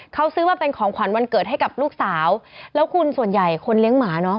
เขาซื้อมาเป็นของขวัญวันเกิดให้กับลูกสาวแล้วคุณส่วนใหญ่คนเลี้ยงหมาเนอะ